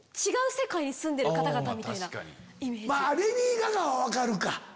違う世界に住んでる方々みたいなイメージ。